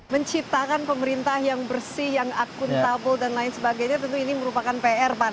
menciptakan pemerintah yang bersih yang akuntabel dan lain sebagainya tentu ini merupakan pr pak